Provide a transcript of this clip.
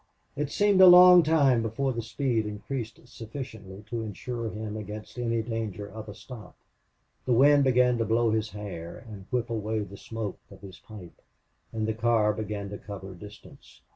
It seemed a long time before the speed increased sufficiently to insure him against any danger of a stop. The wind began to blow his hair and whip away the smoke of his pipe. And the car began to cover distance.